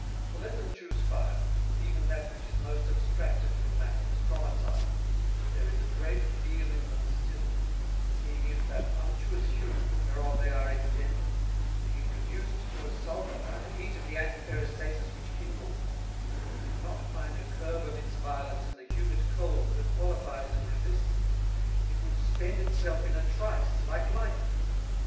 For let them chuse Fire, even that which is most abstracted from Matter, as Comets are, there is a great deal in them still; seeing if that Unctuous Humour, whereof they are engendered, being reduced to a Sulphur by the heat of the Antiperistasis which kindles them, did not find a curb of its Violence in the humid Cold that qualifies and resists it, it would spend it self in a trice like Lightning.